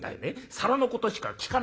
皿のことしか聞かなかった。